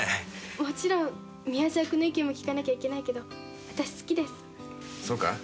もちろん宮沢君の意見も聞かなきゃいけないけど私好きですそうか？